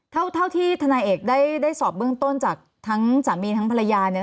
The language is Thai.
เท่าที่ทนายเอกได้สอบเบื้องต้นจากทั้งสามีทั้งภรรยาเนี่ย